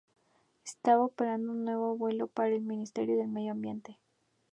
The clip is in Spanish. Estaba operando un vuelo para el Ministerio de Medio Ambiente.